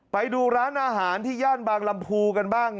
ไปดูร้านอาหารที่ย่านบางลำพูกันบ้าง